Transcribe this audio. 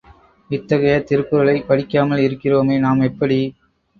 இத்தகைய திருக்குறளைப் படிக்காமல் இருக்கிறோமே நாம் எப்படி?